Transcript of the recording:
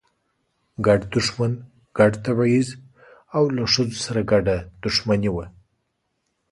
ګډ دښمن، ګډ تبعیض او له ښځو سره ګډه دښمني وه.